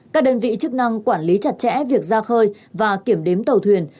các đơn vị chức năng quản lý chặt chẽ việc ra khơi và kiểm đếm tàu thuyền